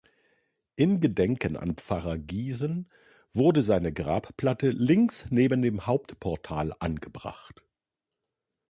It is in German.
Im Gedenken an Pfarrer Giesen wurde seine Grabplatte links neben dem Hauptportal angebracht.